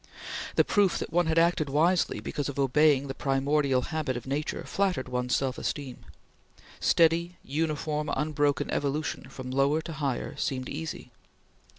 The proof that one had acted wisely because of obeying the primordial habit of nature flattered one's self esteem. Steady, uniform, unbroken evolution from lower to higher seemed easy.